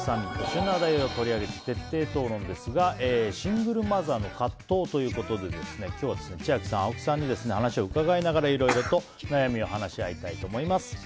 旬な話題を取り上げて徹底討論ですがシングルマザーの葛藤ということで今日は千秋さん、青木さんにお話を伺いながらいろいろと悩みを話し合いたいと思います。